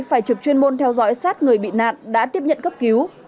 phải trực chuyên môn theo dõi sát người bị nạn đã tiếp nhận cấp cứu